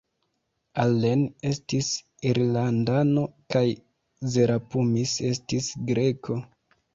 Allen estis Irlandano kaj Zerapumis estis Greko.